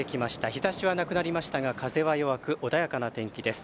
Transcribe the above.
日ざしはなくなりましたが風は弱く穏やかな天気です。